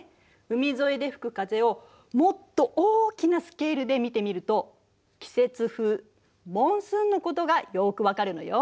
海沿いで吹く風をもっと大きなスケールで見てみると季節風モンスーンのことがよく分かるのよ。